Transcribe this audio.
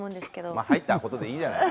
まあ入った事でいいじゃない。